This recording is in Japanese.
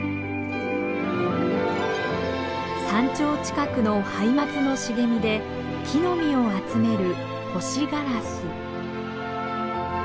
山頂近くのハイマツの茂みで木の実を集めるホシガラス。